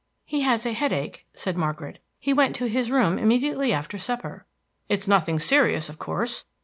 "He has a headache," said Margaret. "He went to his room immediately after supper." "It is nothing serious, of course."